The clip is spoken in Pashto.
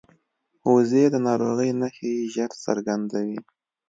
وزې د ناروغۍ نښې ژر څرګندوي